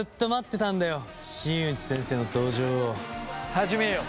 「始めよう」。